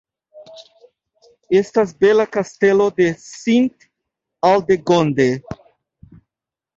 Estas bela kastelo de Sint-Aldegonde.